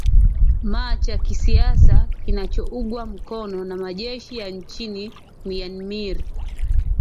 ma cha kisiasa kinachougwa mkono na majeshi ya nchini myanmir